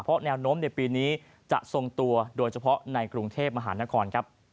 เพราะแนวโน้มในปีนี้จะทรงตัวโดยเฉพาะในกรุงเทพมหานครครับ